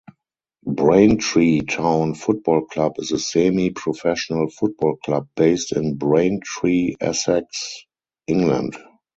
Braintree Town Football Club is a semi-professional football club based in Braintree, Essex, England.